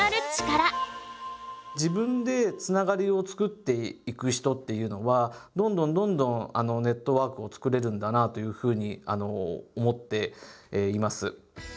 自分でつながりを作っていく人っていうのはどんどんどんどんネットワークを作れるんだなというふうに思っています。